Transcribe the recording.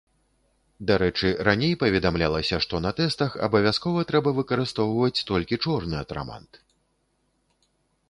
Дарэчы, раней паведамлялася, што на тэстах абавязкова трэба выкарыстоўваць толькі чорны атрамант.